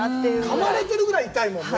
かまれてるぐらい痛いもんね。